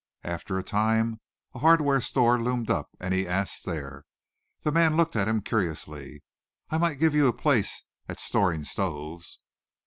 After a time a hardware store loomed up, and he asked there. The man looked at him curiously. "I might give you a place at storing stoves."